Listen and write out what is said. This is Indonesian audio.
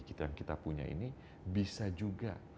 kita yang kita punya ini bisa juga